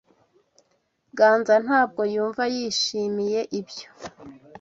Ganza ntabwo yumva yishimiye ibyo.